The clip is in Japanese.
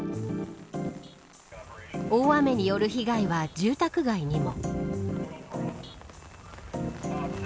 大雨による被害は住宅街にも。